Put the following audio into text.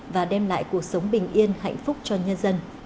và đem lại cuộc sống bình yên hạnh phúc cho nhân dân